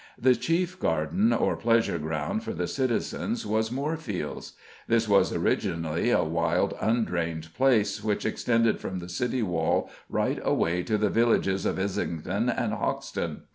The chief garden, or pleasure ground, for the citizens was Moorfields. This was originally a wild, undrained place, which extended from the City wall right away to the villages of Islington and Hoxton.